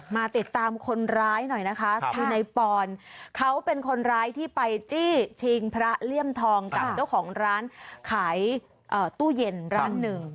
มาติดตามคนร้ายหน่อยนะคะคือในปอนเขาเป็นคนร้ายที่ไปจี้ชิงพระเลี่ยมทองกับเจ้าของร้านขายตู้เย็นร้านหนึ่ง